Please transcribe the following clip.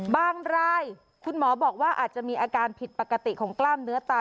บางรายคุณหมอบอกว่าอาจจะมีอาการผิดปกติของกล้ามเนื้อตา